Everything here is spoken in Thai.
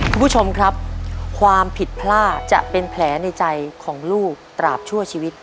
คุณผู้ชมครับความผิดพลาดจะเป็นแผลในใจของลูกตราบชั่วชีวิต